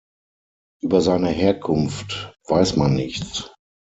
Über seine Herkunft weiß man nichts.